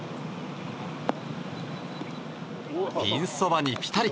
ピンそばにピタリ。